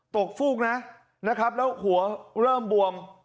ตกฟูกนะแล้วหัวเริ่มบวม